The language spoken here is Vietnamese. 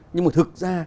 nhưng mà thực ra